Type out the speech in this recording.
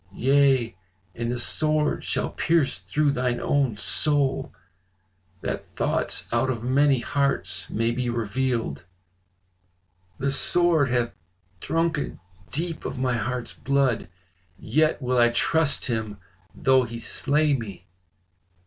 Yea, and a sword shall pierce through thine own soul, that thoughts out of many hearts may be revealed.' The sword hath drunken deep of my heart's blood, yet will I trust him though he slay me."